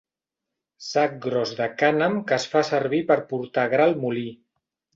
Sac gros de cànem que es fa servir per portar gra al molí.